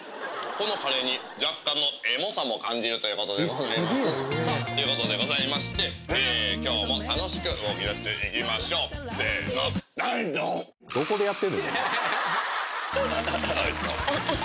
このカレーに若干のエモさも感じるということでございますさあということでございまして今日も楽しく動きだしていきましょうせの「ラヴィット！」